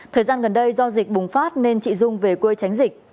thời gian gần đây do dịch bùng phát nên chị dung về quê tránh dịch